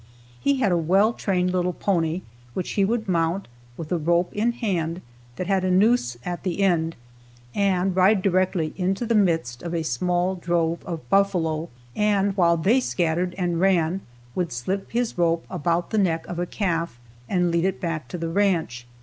He had a well trained little pony, which he would mount, with a rope in hand that had a noose at the end, and ride directly into the midst of a small drove of buffalo, and while they scattered and ran would slip his rope about the neck of a calf and lead it back to the ranch.